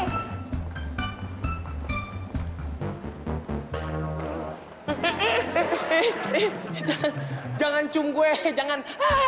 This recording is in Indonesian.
eh eh eh eh jangan jangan cung gue jangan